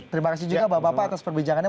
terima kasih juga bapak bapak atas perbincangannya